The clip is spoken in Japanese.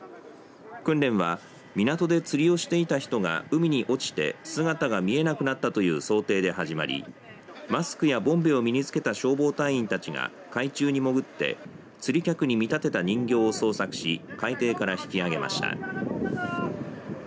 訓練は港で釣りをしていた人が海に落ちて姿が見えなくなったという想定で始まりマスクやボンベを身につけた消防隊員たちが海中に潜って釣り客に見立てた人形を捜索し海底から引き上げました。